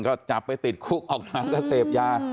ก็จับไปติดคุกออกมาก็เสพยา